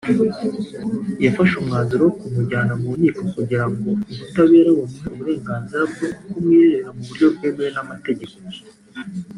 yafashe umwanzuro wo kumujyana mu nkiko kugira ngo ubutabera bumuhe uburenganzira bwo kumwirerera mu buryo bwemewe n’amategeko